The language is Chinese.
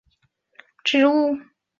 长穗桦是桦木科桦木属的植物。